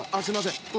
すいません。